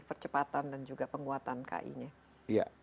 percepatan dan juga penguatan ki nya